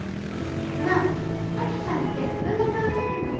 なあ咲妃ちゃんってどんな顔してんの？